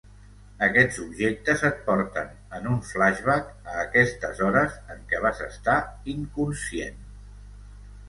Aquests objectes et porten en un flashback a aquestes hores en què vas estar inconscient.